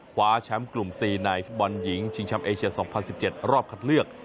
คว้าแชมป์กลุ่ม๔ในฟุตบอลหญิงชิงแชมป์เอเชีย๒๐๑๗รอบคัดเลือก